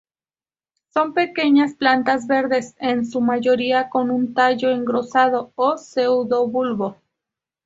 Son pequeñas plantas verdes en su mayoría, con un tallo engrosado o pseudobulbo.